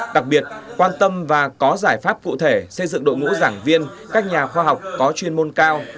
đặc biệt quan tâm và có giải pháp cụ thể xây dựng đội ngũ giảng viên các nhà khoa học có chuyên môn cao